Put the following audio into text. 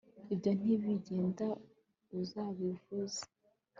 ibyo ntibigenda utabivuze